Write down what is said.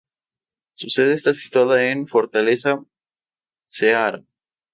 Su sede está situada en Fortaleza, Ceará.